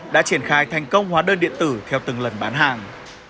đã triển khai thành công hóa đơn điện tử theo từng lần bán hàng